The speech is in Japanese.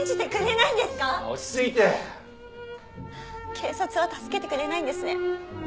警察は助けてくれないんですね。